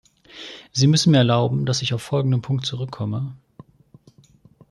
Sie müssen mir erlauben, dass ich auf folgenden Punkt zurückkomme.